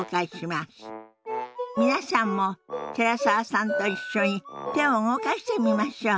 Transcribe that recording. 皆さんも寺澤さんと一緒に手を動かしてみましょう。